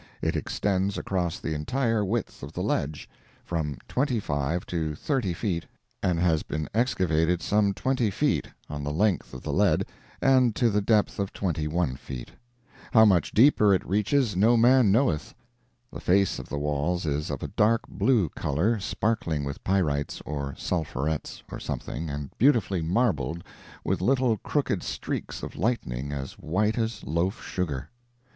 It extends across the entire width of the ledge—from twenty five to thirty feet—and has been excavated some twenty feet on the length of the lead, and to the depth of twenty one feet. How much deeper it reaches, no man knoweth. The face of the walls is of a dark blue color, sparkling with pyrites, or sulphurets, or something, and beautifully marbled with little crooked streaks of lightning as white as loaf sugar.